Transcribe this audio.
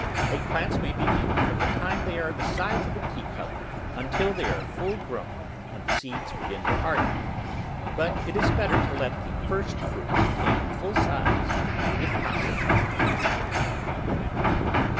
Egg plants may be eaten from the time they are the size of a teacup until they are full grown and the seeds begin to harden, but it is better to let the first fruits attain full size if possible.